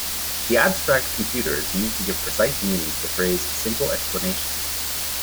The abstract computer is used to give precise meaning to the phrase 'simple explanation'.